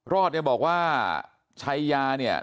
รอดบอกว่าใช้ยาเนี่ย